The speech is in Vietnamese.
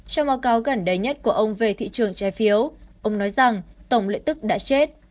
trong báo cáo gần đây nhất của ông về thị trường trái phiếu ông nói rằng tổng lệ tức đã chết